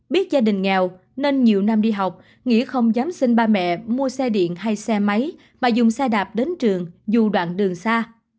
biết gia đình nghèo nên nhiều năm đi học nghĩa không dám sinh ba mẹ mua xe điện hay xe máy mà dùng xe đạp đến trường dù đoạn đường xa